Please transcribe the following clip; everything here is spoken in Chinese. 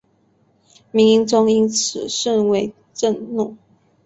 明英宗因此而甚为震怒。